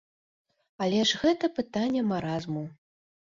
Але ж гэта пытанне маразму.